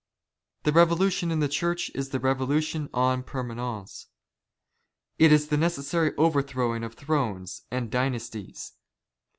The Revolution in the Church is the ^^ 'ReYoliition en jyermanence. It is the necessary overthrowing " of thrones and dynasties.